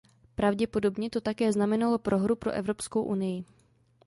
Pravděpodobně to také znamenalo prohru pro Evropskou unii.